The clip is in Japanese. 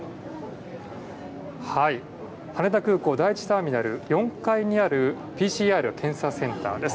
羽田空港第１ターミナル４階にあるＰＣＲ検査センターです。